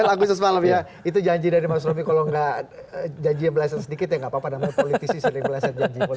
sembilan agustus malam ya itu janji dari mas robby kalau nggak janji yang belasan sedikit ya nggak apa apa namanya politisi yang belasan janji politik